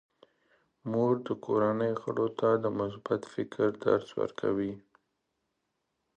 مور د کورنۍ غړو ته د مثبت فکر درس ورکوي.